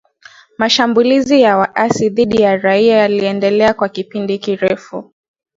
Mashambulizi ya waasi dhidi ya raia yaliendelea kwa kipindi kirefu